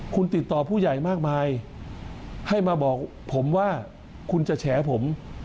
คุณติดต่อผู้ใหญ่มากมายให้มาบอกผมว่าคุณจะแฉผม